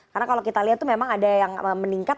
karena kalau kita lihat memang ada yang meningkat